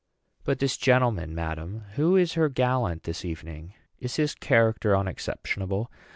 "But this gentleman, madam, who is her gallant this evening, is his character unexceptionable?